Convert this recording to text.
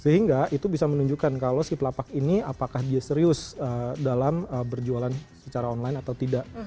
sehingga itu bisa menunjukkan kalau si pelapak ini apakah dia serius dalam berjualan secara online atau tidak